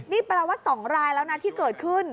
นี่แปลว่า๒รายแล้วนะที่เกิดขึ้น